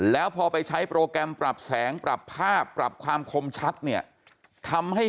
แล้วพอไปใช้โปรแกรมปรับแสงปรับภาพปรับความคมชัดเนี่ยทำให้